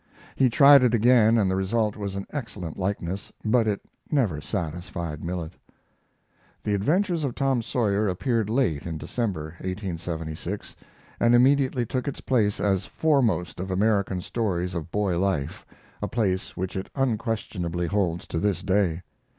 He tried it again, and the result was an excellent likeness, but it never satisfied Millet. The 'Adventures of Tom Sawyer' appeared late in December (1876), and immediately took its place as foremost of American stories of boy life, a place which it unquestionably holds to this day.